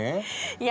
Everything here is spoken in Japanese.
いや。